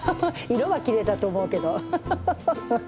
色はきれいだと思うけどアハハハ。